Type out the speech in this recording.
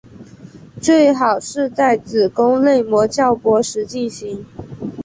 最好是在子宫内膜较薄时进行。